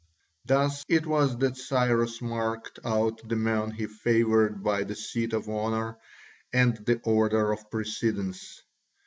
Thus it was that Cyrus marked out the men he favoured by the seat of honour and the order of precedence.